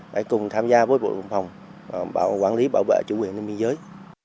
để cùng tham gia với bộ đồng phòng quản lý bảo vệ chủ quyền an ninh biên giới